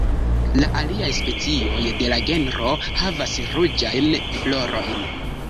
La aliaj specioj de la genro havas ruĝajn florojn.